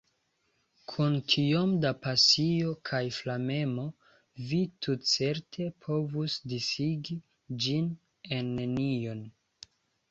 Kun tiom da pasio kaj flamemo, vi tutcerte povus disigi ĝin en nenion.